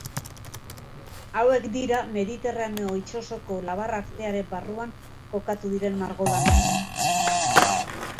Hauek dira Mediterraneo itsasoko labar-artearen barruan kokatu diren margolanak.